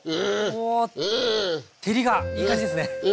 照りがいい感じですね！